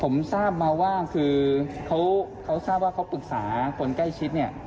ผมทราบมาว่าคือเขาทราบว่าเขาปรึกษาคนใกล้ชิดเนี่ย